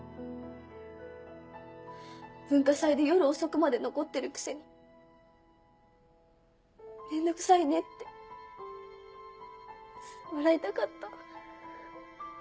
文化祭で夜遅くまで残ってるくせに「面倒くさいね」って笑いたかった。